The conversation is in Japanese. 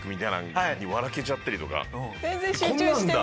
こんなんだ！